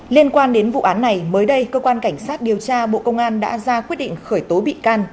liên quan đến vụ án này mới đây cơ quan cảnh sát điều tra bộ công an đã ra quyết định khởi tố bị can